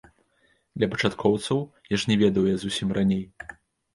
Для пачаткоўцаў, я ж не ведаў яе зусім раней.